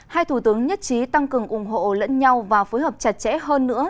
hai thủ tướng nhất trí tăng cường ủng hộ lẫn nhau và phối hợp chặt chẽ hơn nữa